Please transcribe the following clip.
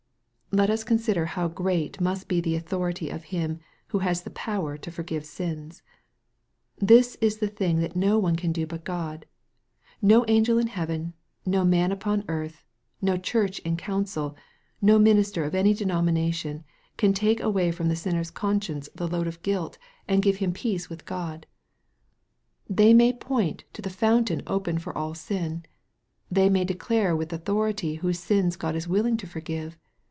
Let us consider how great must be the authority of Him, who has the power to forgive sins 1 This is the thing that none can do but God. No angel in heaven, no man upon earth, no church in council, no minister of any denomination, can take away from the sinner's conscience the load of guilt, and give him 30 EXPOSITORY THOUGHTS. peace with God. They may point to the fountain open for all sin. They may declare with authority whose sins God is willing to forgive.